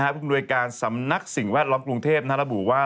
พึ่งโดยการสำนักสิ่งแวดล้อมกรุงเทพฯนารบุว่า